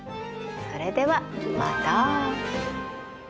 それではまた。